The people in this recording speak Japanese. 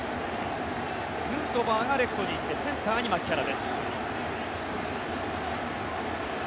ヌートバーがレフトに行ってセンターに牧原です。